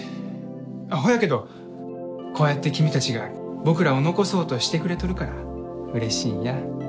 ほやけどこうやって君たちが僕らを残そうとしてくれとるからうれしいんや。